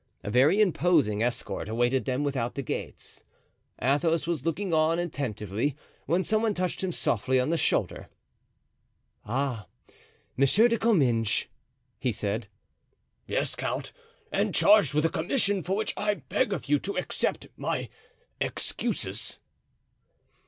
A very imposing escort awaited them without the gates. Athos was looking on attentively, when some one touched him softly on the shoulder. "Ah! Monsieur de Comminges," he said. "Yes, count, and charged with a commission for which I beg of you to accept my excuses."